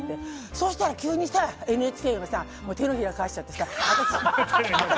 そしたら急にＮＨＫがさ手のひら返しちゃってさ。